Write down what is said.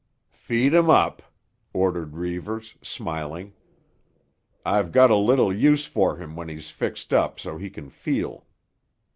"Feed him up," ordered Reivers, smiling. "I've got a little use for him when he's fixed up so he can feel.